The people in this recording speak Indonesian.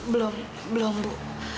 belum belum bu